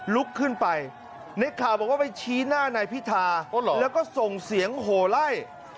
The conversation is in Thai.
ลุกขึ้นไปในข่าวบอกว่าไปชี้หน้านายพิธาแล้วก็ส่งเสียงโหไล่